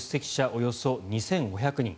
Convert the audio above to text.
およそ２５００人。